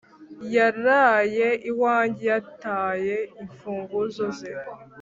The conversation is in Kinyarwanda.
Yaraye iwanjye yataye imfunguzo ze